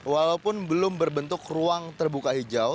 walaupun belum berbentuk ruang terbuka hijau